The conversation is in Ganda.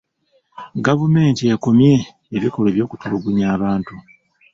Gavumenti ekomye ebikolwa eby'okutulugunya abantu.